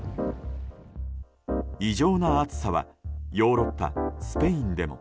異常な暑さはヨーロッパスペインでも。